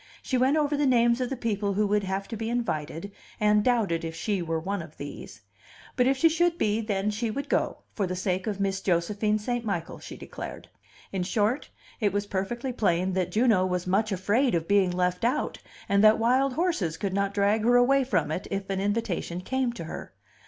She went over the names of the people who would have to be invited, and doubted if she were one of these. But if she should be, then she would go for the sake of Miss Josephine St. Michael, she declared. In short, it was perfectly plain that Juno was much afraid of being left out, and that wild horses could not drag her away from it, if an invitation came to her.